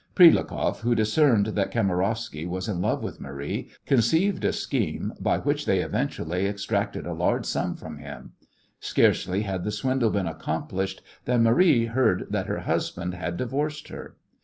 Prilukoff, who discerned that Kamarowsky was in love with Marie, conceived a scheme by which they eventually extracted a large sum from him. Scarcely had the swindle been accomplished than Marie heard that her husband had divorced her.